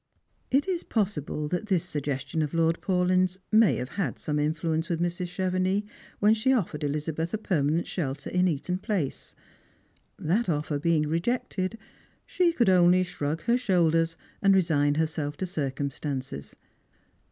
It is possible that this suggestion of Lord Paulyn's may have had some intluence with Mrs. Chevenix when she offered Eliza beth a permanent shelter in Eaton place. That offer being rejected, she could only shrug her shoulders and resign herself to circumstances.